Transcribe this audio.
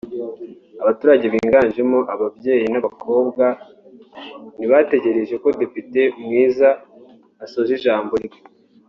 Abaturage biganjemo ababyeyi n’abakobwa ntibategereje ko Depite Mwiza asoza ijambo rye